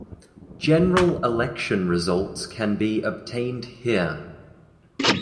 General election results can be obtained here.